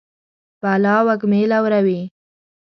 بلا وږمې لوروي